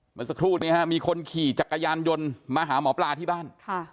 เมื่อสักครู่นี้มีคนขี่จักรยานยนต์มาหาหมอปลาที่บ้าน